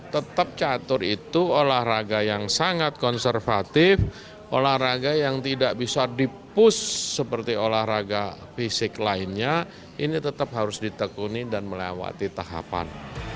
tetap catur itu olahraga yang sangat konservatif olahraga yang tidak bisa di push seperti olahraga fisik lainnya ini tetap harus ditekuni dan melewati tahapan